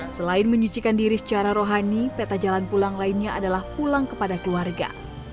selain menyucikan diri secara rohani peta jalan pulang lainnya adalah pulang kepada keluarga